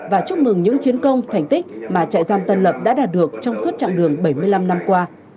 và chúc mừng những chiến công thành tích mà trại giam tân lập đã đạt được trong suốt chặng đường bảy mươi năm năm qua